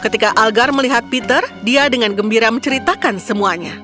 ketika algar melihat peter dia dengan gembira menceritakan semuanya